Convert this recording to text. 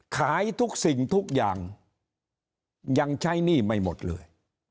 ขายทุกสิ่งทุกอย่างยังใช้หนี้ไม่หมดเลย